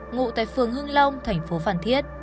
ngụ tại phường hưng long thành phố phản thiết